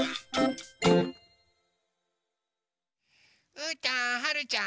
うーたんはるちゃん